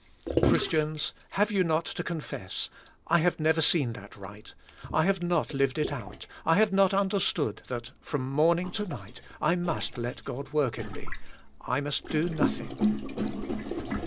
Christians, have you not to confess, I have never seen that rig ht. I have not lived it out. I have not understood that, from morning to night, I must let God work in me, I must do nothing.